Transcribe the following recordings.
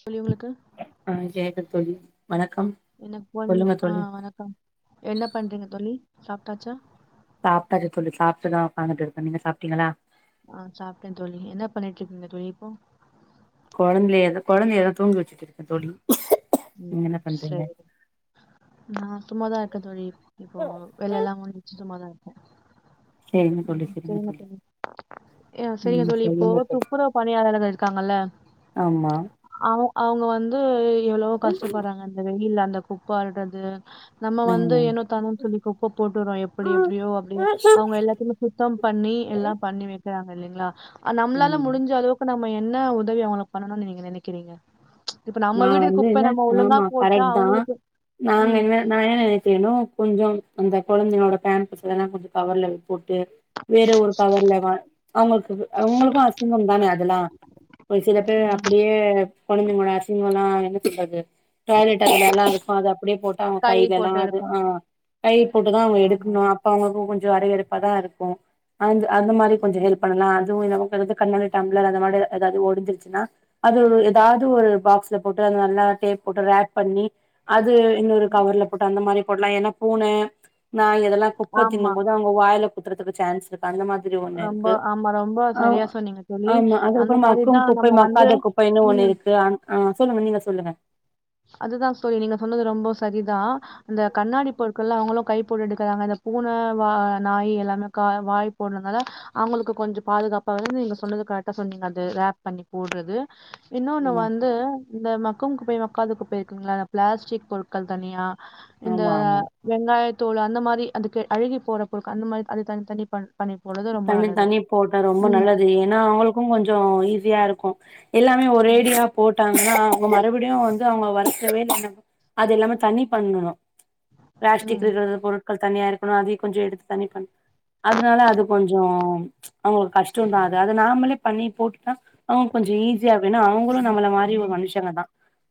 தோழி உங்ளுக்கு ஆ கேக்குது தோழி வணக்கம் எனக்கு ஓன் சொல்லுங்க ஆ தோழி வணக்கம் என்ன பண்றீங்க தோழி சாப்ட்டாச்சா சாப்ட்டாச்சா தோழி சாப்ட்டுதா ஒக்காந்துட்டு இருக்க நீங்க சாப்ட்டீங்களா ஆ சாப்ட்ட தோழி என்ன பண்ணிட்ருக்கீங்க தோழி இப்போ கொழந்தய ஏதோ கொழந்தைய தா தூங்க வச்சுட்டு இருக்கே தோழி நீங்க ம் என்ன பண்றீங்க செரி நா சும்மாதா இருக்க தோழி இப்போ வேலல்லா முடிச்சி சும்மா தா இருக்கோ செரிங்க தோழி செரிங்க தோழி ஏ செரிங்க ம் தோழி இப்போ சொல்லுங்க துப்புரவு பணியாளரங்க இருக்காங்கல்ல ஆம்மா அவ அவுங்க வந்து எவ்ளவோ கஷ்டப் பறாங்க அந்த வெயில அந்த குப்ப அள்றது நம்ம வந்து ம் ஏனோ தானோன் சொல்லி குப்ப போட்டுறோ எப்டி எப்டியோ அப்டி அவுங்க எல்லாத்திமே சுத்தம் பண்ணி எல்லா பண்ணி வக்கிறாங்க இல்லைங்ளா அ நம்ளால ஆமா முடிஞ்ச அளவுக் இப்ப நம்ம என்ன உதவி அவுங்களுக்கு பண்ணணு நீங்க நெனனக்கிறீங்க இப்ப நம்ம வீடுக்கு குப்ப பின்ன நம்ம ஒழுங்கா ஆமா போட்டா கரெக்ட் தா அவங்களுக்கு நாங்க ம். என்ன நா என்ன நெனைக்கிறனோ கொஞ்சோ அந்த கொழந்தைகளோட பேம்பர்ஸ்ல லா கொஞ்ச கவர்ல போட்டு வேற ஒரு கவர்ல வ அவுங்களுக்கு இது அவுங்களுக்கு அசிங்க தான அதெல்லா ஒரு சில பேர் ம். அப்டியே கொழந்தைங்களோட அசிங்கோ லா என்ன சொல்றது டாய்லெட் அதுல எல்லா இருக்கு அது அப்டியே போட்டு அவ கை கைய்லலா போட்டு அது எடுப்பாங்க. ஆ கை போட்டுதா அவுங்க ஆமா. எடுக்கணு அவங்கக்கு கொஞ்ச அடையடுப்பா தா இருக்கு அந்த அந்த மாரி கொஞ்ச ம். ஹெல்ப் பண்ணலா அதுவு இந்த [unintelligible] கண்ணாடி டம்ளர் அந்த மாரி ஏதாவது ஒடிஞ்சிருச்சினா அது ஒரு ஏதாவது ஒரு பாக் ஸ்ல போட்டு அத நல்லா டேப் போட்டு ராப் பண்ணி அது இன்னொரு கவர்ல போட்டு அந்த மாரி போட்லா ஏனா பூன நாய் இதெல்லா குப்ப தின்னு ஆமா. போது அவுங்க வாயில குத்துறதுக்கு சான்ஸ் இருக்கு அந்த மா திரி ஒன்னு ரொம்ப இருக்கு ஆமா ரொம்ப அ சரியா சொன்னீங்க தோழி. ஆமா அது உப்ப அந்த மாரி மக்கும் தான் குப்பை நம்ம வந்து மக்காத குப் பைனு ம். ஒன்னு இருக்கு ஆ சொல்லுங்க நீங்க சொல்லுங்க அதுதான் தோழி நீங்க சொன்னது ரொம்ப சரிதா இந்த கண்ணாடி பொருட்கள்ளா அவுங்களு கை போட்டு எடுக்கறாங்க இந்த பூன நா நாய் எல்லாமே கா வாய் போட்றனால அவங்களுக்கு கொஞ்ச பாதுகாப்பா வந்து நீங்க சொன்னது கரெக்டா சொன்னீங்க அது ராப் பண்ணி போட்றது இன்னொன்னு ம் வந்து இந்த மக்கும் குப்பய காதுக்கு போய்ருக்குங்ளா நா பிளாஸ்டிக் பொருட்கள் தனியா இந்த ஆமா ஆமா வெங்காயத் தோள் அந்த மாரி அதுக்கு அழுகி போற பொருட்கள் அந்த மாரி அது தனி தனி பண் பண்ணி போடுறது ரொம்ப தனி நல்லது தனி போட்டா ரொம்ப ம் நல்லது ஏனா அவங்களு க்கு கொஞ்சோ ஈஸியா இருக்கு எல்லாமே ஒரேடியா போட் டங்கனா அவுங்க மறுபடியு வந்து அவுங்க வந்த வேல அது எல்லாமே தன்னி பண்ணணு பிளாஸ்டிக் ம் இருக்கிறது பொருட்கள் தனியா இருக்கனு அதியு கொஞ்ச எடுத்து தன்னி பண்ணனு அதனால அது கொஞ்சோ அவுங்களுக்கு கஷ்டோ தா அது அது நாமளே பண்ணி போட்டுடா ஆ கொஞ்சோ ஈஸியா இருக்கு ஏனா அவுங்களு நம்மள மாரி ஒரு மனுஷங்க தா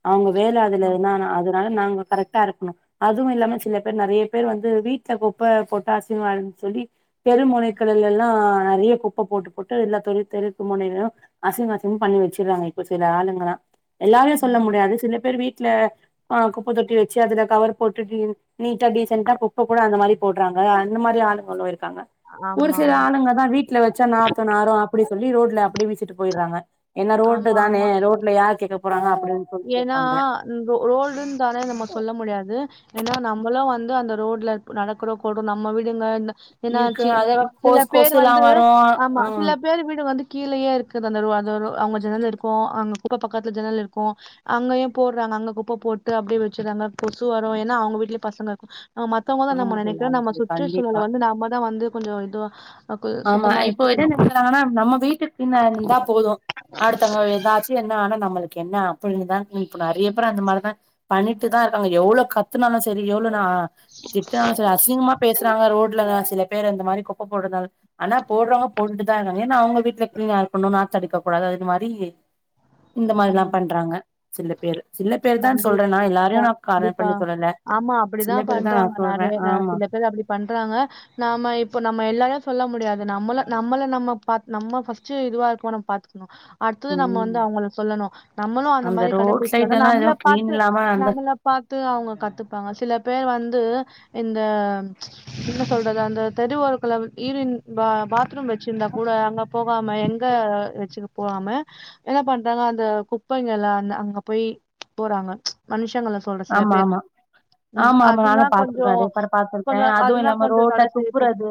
அவங்க வேல அதுல இருந்தானா அதனால நாங்க கரெக்ட் டா இருக்கனு அதுவு இல்லாம சில பேர் நெறைய பேர் வந்து வீட்ல குப்ப போட்டா அசிங்கமா இருக்குன் சொல்லி தெரு முனைகள்ள எல்லா நெறைய குப்ப போட்டு போட்டு எல்லா தெரு தெருக்கு மொனைல அசிங்க அசிங்கம் பண்ணி வச்சிறாங்க இப்ப சில ஆளுங்களா எல்லாமே சொல்ல முடியாது சில பேர் வீட்ல ஆ குப்ப தொட்டி வச்சி அதுல கவர் போட்டுட்டு நீட்டா டீசண்டா குப்ப கூட அந்த மாரி போட்றாங்க அந்த மாரி ஆளுங்களு இருக்காங்க ஒரு ஆமா சில ம் ஆமா ஆமா ஆளுங்க தா வீட்ல வச்சா நாத்தோ நாரு அப்டி சொல்லி ரோட்ல அப்டியே வீசிட்டு போய்றாங்க ஏனா ரோடு ஆமா ஆமா தானே ரோட்ல யார் கேக்க போறாங்க அப்டின் ஏன்னா ரோ ரோடுன் தான நம்ம சொல்ல முடியாது ஏன்னா நம்மளும் வந்து அந்த ரோட்ல நடக்கறோ கூட நம்ம வீடுங்க அ இருக்கு என்னாச்சி அத சில கொசு பேர் கொசுல்லா வந்து வரு ஆமா ஆ சில பேர் வீடு வந்து கீழேயே இருக்கு அந்த ரோ அவங்க ஜன்னல் இருக்கும் அவங்க குப்ப பக்கத்துல ஜன்னல் இருக்கும் கும் அங்கயும் போடுறாங்க அங்க குப்பை போட்டு அப்படியே வச்சறாங்க கொசு வரும் ஏன்னா அவங்க வீட்டுலயு பசங்க மத்தவங்கதான் ஆமா நம்ம தோழி நினைக்கிறோம் ஆமா நம்ம தோழி கண்டிப்பா சுற்றுச்சூழலை வந்து நாமதான் வந்து கொஞ்சம் இதுவும் ஆமா இப்போ எதுநெனைகிராங்கன்னா நம்ம வீட்டுக்குன்ன இருந்தா போதும் அடுத்தவங்க ஏதாச்ச என்ன ஆனா நம்மளுக்கு என்ன அப்படின்னு தா இப்ப நிறைய பேர் அந்த மாதிரி தான் பண்ணிட்டு தான் இருக்காங்க எவ்வளவு கத் தினாலும் சரி எவ்ளவு ந திட்டினாலும் சரி அசிங்கமா பேசுறாங்க ரோட்ல அது சில பேர் அந்த மாதிரி குப்ப போடுறது அது ஆனா போடுறவங்க போட்டுட்டுதான் இருக்றாங்க ஏன்னா அவங்க வீட்டுல க்லீனா இருக்கணும் நாத்த எடுக்க கூடாது அது மாரி இந்த ம் மாரில்லாம் பண்றாங்க சில பேரு சில பேரு தான் கண்டிப் சொல்றேன் நா எல்லாரையும் கண்டிப்பா, நான் கார்ணர் கண்டிப்பா. பண்ணி சொல்லல ஆமா சில அப்படிதான் பேர் தா பண்றாங்க சொல்றே நிறைய ஆமா நேரத்துல இப்பதான் அப்டி பண்றாங்க நாம இப்ப நம்ம எல்லாறையும் சொல்ல முடியாது நம்மள நம்மள நம்ம பா நம்ம ஃபர்ஸ்ட் இதுவா இருக்கும் நம்ம அடுத்தது நம்ம ம் வந்து அவங்களுக் சொல்லணும் நம்மளும் அந்த மாதிரி ரோட் கடைபிடிச்ச சைட் வந்தா எல்லா நம்மள எதுவு கிளீன் பாத்து இல்லாம அந்த நம்ம அத பாத்து அவங்க கத்துப்பாங்க சில பேர் வந்து இந்த என்ன சொல்றது அந்த தெரு ஓரத்துல யூரின் பாத்ரூம் வச்சிருந்தா கூட அங்க போகாம எங்க வச்சுக்கு போகாம என்ன பண் அங்க அந்த குப்பைங்கல்ல அந்த அங்க போய் போறாங்க மனுஷங்கல சொல்ற சில ஆமா பேர் ஆமா ம் ஆமா ஆமா அதுனா நானும் கொஞ்சோ பாத்துருக்கேன் அதே பார கொஞ்சோ பாத்துருக்கேன் அதுவும் அதுனா இல்லாம கொஞ்சோ தட ரோட்ட செய்யப்பட்டு துப்புறது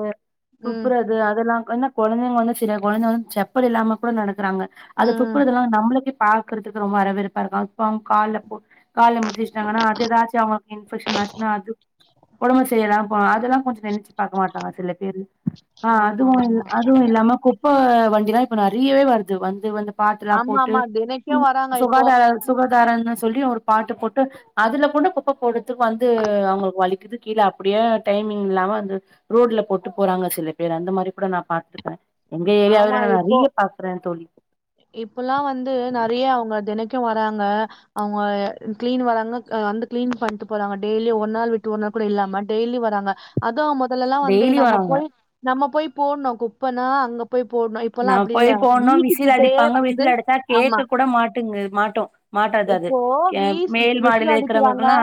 ம் துப்புறது அதெல்லாம் என்ன குழந்தைங்க வந்து சில குழந்தைங்க வந்து சில குழந்தங்க செப்பல் இல்லாம கூட நடக்கறாங்க அதை ம் துப்புறதுலல்லாம் நம்மளுக்கே பாக்கறதுக்கு ரொம்ப அரவருப்பா இருக்கும் அது பாருங்க கால கால்ல மிதிச் சாங்கன்னா அத ஏதாச்சும் அவங்களுக்கு இன்பக்ஷன் ஆச்சுன்னா அது உடம்ப சரி இல்லாம போகு அதெல்லாம் கொஞ்ச நினைச்சு பாக்க மாட்டாங்க சில பேர் ஆ ஆமா அதுவும் ஆமா அதுவும் இல்லாம குப் ப வண்டிலாம் இப்ப நிறையவே வருது வந்து வந்த பாட்டுலாம் ஆமா போட்டு ஆமா சு தினைக்கு வராங்க இப்போ சுகாதார சுகாதாரம்னு சொல்லி ஒரு பாட்டு போட்டு அதுல கூட குப்பை போடுத்துக்கு வந்து அவங்களுக்கு வலிக்குது கீழே அப்டியே டைமிங் இல்லாம வந்து ரோட்ல போட்டு போறாங்க சில பேர் அந்த மாரி கூட நான் பாத்திருக்கேன் எங்க ஏரியாவ நான் நிறைய பாக்குறேன் தோழி இப்பல்லாம் வந்து நிறைய அவங்க தினைக்கும் வராங்க அவங்க கிளீன் வராறங்க வந்து கிளீன் பண்ணிட்டு போறாங்க டெய்லியி ஒரு நாள் விட்டு ஒரு நாள் கூட இல்லாம டெய்லி வராங்க அதுவும் முதல்லல்லாம் வந்து டெய்லி நம்ம வராங்க போய் நம்ம போய் போடணும் குப்பைன்னா அங்க போய் போடணும் நா இப்பல்லாம் அப்டி இல்ல போய் போனோ விசில் வூட்டுக்கிட்டயே அடிப்பாங்க வந்து விசில் அடிச்சா ஆமா கேக்க கூட மாட்டுங்கு மாட்டோ மாட்டாது அது இப்போ கே வீ மேல் விசில் மாடில அடிக்கிறாங்க இருக்கிறவங்களுக்கெல்லா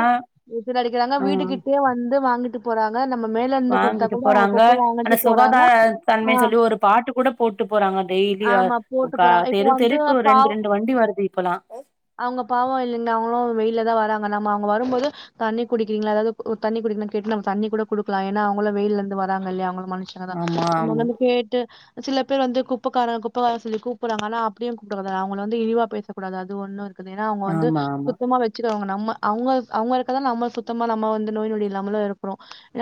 விசில் அடிக்கிறாங்க ஆ வீடுக்கிட்டே வந்து வாங்கிட்டு போறாங்க நம்ம மேல இருந்து கொடுத்தா வாங்கிட்டு கூட அவங்க போறாங்க கொப்பை ஆனா வாங்கட்டு போறாங்க சுகாதார தன்மை ஆஹ் சொல்லி ஒரு பாட்டு கூட போட்டு போறாங்க டெய்லி ஆமா போட்டு போறாங்க இப்போ தெரு தெருக்கு வந்து ரெண்டு ரெண்டு வண்டி வருது இப்பல்லாம் அவங்க பாவம் இல்லைங்களா அவங்களும் வெயில்ல தான் வராங்க நம்ம அவங்க வரும்போது தண்ணி குடிக்கிறங்களா அதாவது தண்ணி குடிக்கணனு கேட்டு நம தண்ண கூட குடுக்கலாம் ஏன்னா அவங்க வெயில்ல இருந்து வராங்க இல்லையா அவங்களு மனுஷ் ஆமா சும்மா அங்கந்து பே சில பேர் வந்து குப்பக்காரங்க குப்பைார சொல்லி கூப்பிறாங்க ஆனா அப்படியும் கூப்பிடக் கூடாது அவங்க வ இழிவா பேசக்கூடாது அது ஒண்ணும் இரு பாத்தீங்கன்னா அவங்க வந்து ஆமா ஆமா சுத்தமா வச்ச ங்க நம்ம அவங்க அவங்க இருக்கதான் நம்ம சுத்தமா நம்ம வந்து நோய் நொடி இல்லாமல இருக்கிறோம்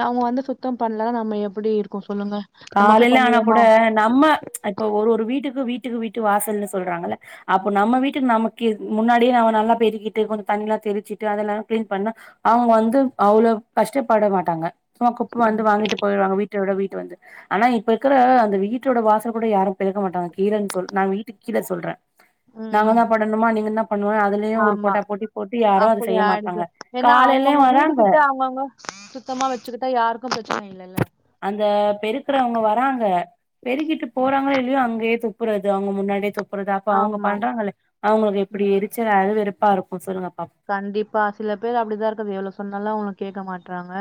அவங்க வந்து சுத்தம் பண்ணலதான் நம்ம எப்படி இருக்கும் சொல்லுங்க நம்ம போய் காலையில ஆனா கூட பண்ணுவோமா நம்ம இப்ப ஒரு ஒரு வீட்டுக்கு வீட்டுக்கு வீட்டு வாசல்ன்னனு சொல்றாங்கல்ல அப்போ நம்ம வீட்டுக்கு நமக்கு முன்னாடியே நம்ம நல்லா பெருக்கிட்டு கொஞ்சம் தண்ணி எல்லாம் தெளிச்சுட்டு அதெல்லாம் கிளீன் பண்ணா அவங்க வந்து அவ்ளொ கஷ்டப்பட மாட்டாங்க சும்மா குப்பை வந்து வாங்கிட்டு போயிடுவாங்க வீட்டோட வீட்டு வந்து ஆனா இப்ப இருக்கற அந்த வீட்டோட வாசல கூட யாரும் பெருக்க மாட்டாங்க கீழன்னு சொல் நா வீட்டுக்கு கீழ சொல்ற உம் நாங்க தா உம் பண்ணணுமா நீங்க தா பண்ணுவ அது லயு ஒரு ஆமா போட்டா போட்டி போட்டு யாரும் அத அப்படி செய்ய ஆயிடுது மாட்டாங்க ஏன்னா காலைலயு அவங்கவுங்க வீடு வராங்க கிட்ட அவங்கவுங்க சுத்தமா வச்சுக்கிட்டா யாருக்கும் பிரச்சனை இல்லல்ல அந்த பெருக்குறவங்க வராங்க பெருக்கிட்டு போறாங்களோ இல்லயோ அங்யே துப் பறது அவுங்க முன்னாடியே துப்பறது அப்ப அவுங்க ஆமா பண்றாங்கல்ல அவங்களுக்கு எப்பிடி இருக் ச்சே அறு வெறுப்பா இருக்கும் சொல்லுங்க பா கண்டிப்பா சில பேர் அப்டிதா இருக்குது எவ்ளோ சொன்னாலு அவங்க கேக்க மாட் றாங்க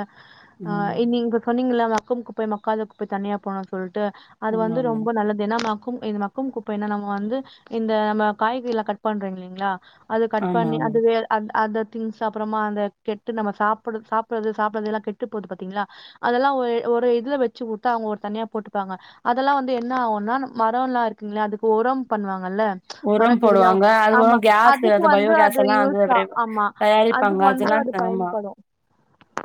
ஆ ம் நீங்க சொன்னீங்கல்ல மக்கும் குப்பை மக்காத குப்பை தனியா போட்ணும்னு சொல்ட்டு அது ஆமா வந்து ஆமா ரொம்ப நல்லது ஏன்னா மக்கும் இது மக்கும் குப்பைன்னா நம்ம வந்து இந்த நம்ம காய்கறில்லா கட் பண்றோ இல்லைங்ளா அது கட் ஆமா பண்ணி ஆமா அது வேற அந் அந்த திங்ஸ் அப்பறமா அந்த கெட்டு நம்ம சாப்புடு சாப்பட்றது சாப்பட்றது எல்லா கெட்டு போது பாத்தீங்ளா அதெல்லா ஒரு ஒரு இதுல வச்சு குடுத்தா அவுங்க ஒரு தனியா போட்டுப்பாங்க அதெல்லா வந்து என்ன ஆவுன்னா மரம் எல்லா இருக்குங்கில்ல அதுக்கு உரம் பண்ணுவாங்கல்ல மர உரம் செடிலா போடுவாங்க அதுவு ஆமா கேஸ் அதுக்கு வந்து அது பயோகேஸ் எல்லா யூஸ் ச்சா ஆமா தயாரிப்பாங்க அதுக்கு வந்து அதெல்லா அது ஆமா பயன்படும்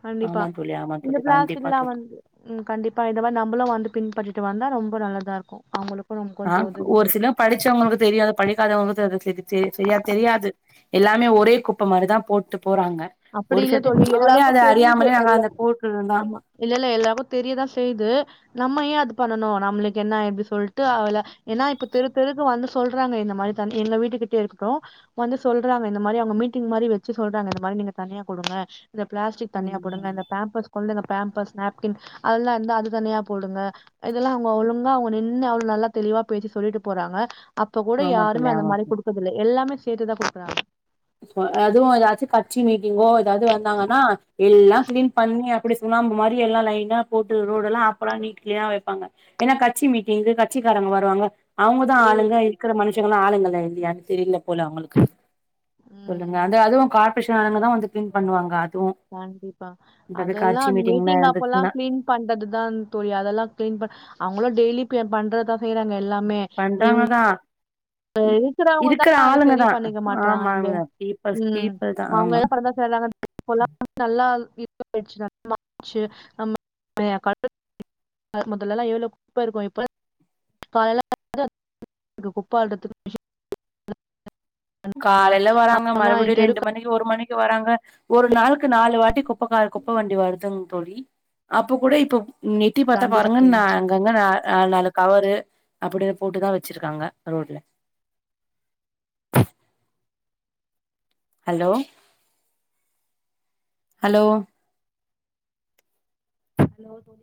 கண்டிப்பா ஆமா தோழி ஆமா இந்த தோழி கண்டிப்பா பிளாஸ்டிக்ல்லா தோழி வந்து ம் கண்டிப்பா இந்த மாறி நம்மளும் வந்து பின்பற்றிட்டு வந்தா ரொம்ப நல்லதா இருக்கும் அவங்களுக் ஆ ஒரு சிலர் படிச்சவங்களுக்கு தெரியாது படிக்காதவங்களுக்கு அது சே தெ சரியா தெரியாது எல்லாமே ஒரே குப்ப மாறி தா போட்டு போறாங்க அப்டி ஒரு இல்ல செட்டு தோழி நம்பளே எல்லாருக்கு அத தெரியுது அறியாமலே நாங்க எல்லா அந்த போட்டுருந்தோ ஆமா இல்ல இல்ல என் லவ்வு தெரியதா செய்து நம்ம ஏன் அது பண்ணணும் நம்மளுக்கு என்ன இப்டி சொல்ட்டு அவள ஏன்னா இப்ப தெரு தெருக்கு வந்து சொல்றாங்க இந்த மாறி தண்ணி எங்க வீட்டுக்கிட்ட இருக்கட்டும் வந்து சொல்றாங்க இந்த மாறி அங்க மீட்டிங் மாறி வச்சு சொல்றாங்க இந்த மாறி நீங்க தனியா குடுங்க இந்த பிளாஸ்டிக் தனியா ம் குடுங்க இந்த பேம்பர்ஸ் கொழந்தைங்க பேம்பர்ஸ் நாப்கின் அதெல்லா இருந்தா அது தனியா போடுங்க இதெல்லா அவுங்க ஒழுங்கா அவுங்க நின்னு அவ்ளோ நல்லா தெளிவா பேசி சொல்லிட்டு போறாங்க அப்ப கூட ஆமா யாருமே தோழி அந்த ஆமா மாறி தோழி குடுக்கதில்ல எல்லாமே சேத்துதா குடுக்கறாங்க அதுவும் ஏதாச்சு கட்சி மீட்டிங்கோ ஏதாவது வந்தாங்கன்னா எல்லா கிளீன் பண்ணி அப்டி சுண்ணாம்பு மாறி எல்லா லைனா போட்டு ரோடு எல்லா அப்பல்லா நீட் க்ளீனா வெப்பாங்க ஏன்னா கட்சி மீட்டிங்கு கட்சிக்காரங்க வருவாங்க அவுங்கதா ஏ ஆளுங்க இருக்கிற மனுஷங்கல்லா ஆளுங்கள இல்லயான்னு தெரியல போல அவங்களுக்கு சொல்லுங்க உம் அந்த அதுவு கார்ப்ரேஷன் ஆளுங்கதா வந்து க்ளீன் பண்ணுவாங்க அதுவு கண்டிப்பா ஏதாவது அதெல்லா கட்சி அந்த மீட்டிங்லா மீட்டிங் அப்பெல்லா இருந்துச்சுன்னா க்ளீன் பண்றதுதா தோழி அதெல்லா க்ளீன் பண் அவங்கல்லா டெய்லி பே பண்றதுதா செய்றாங்க எல்லாமே இவங்க பண்றாங்கதா இங்க இருக்கிறவங்க இருக்கிற தா ஆளுங்க சரி தா பண்ணிக்க மாட்றாங்க இங்க ஆமாங்க பீப்புள்ஸ் உம் பீப்புள் தா அவங்க ஆமா என் [unintelligible] செய்றாங்க [unintelligible] மொதல்லல்லா எவ்ளோ குப்பை இருக்கும் [unintelligible] குப்பை அள்றதுக்கு காலைல வராங்க அப்புறமா மறுபடி ரெண்டு தெருக்கள் மணி ஒரு மணிக்கு வராங்க ஒரு நாளுக்கு நாலு வாட்டி குப்பைக்கார குப்பை வண்டி வருதுங் தோழி அப்ப கூட இப்ப நெட்டி பாத்தா கண்டிப்பா பாருங்க தோழி. நா அங்கங்க நா நாலு நாலு கவரு அப்டி போட்டுதா வச்சிருக்காங்க ரோட்ல ஹலோ, ஹலோ ஹலோ